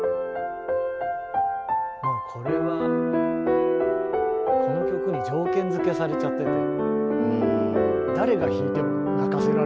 もうこれはこの曲に条件づけされちゃってて。